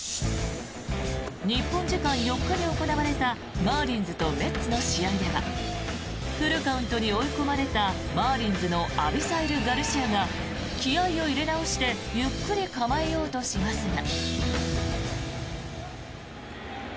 日本時間４日に行われたマーリンズとメッツの試合ではフルカウントに追い込まれたマーリンズのアビサイル・ガルシアが気合を入れ直してゆっくり構えようとしますが。